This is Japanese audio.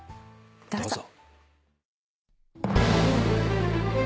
どうぞ。